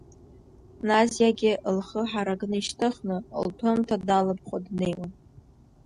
Назиагьы, лхы ҳаракны ишьҭыхны, лҭәымҭа далыԥхо днеиуан.